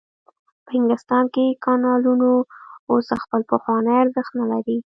په انګلستان کې کانالونو اوس خپل پخوانی ارزښت نلري.